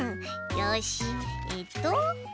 よしえっと。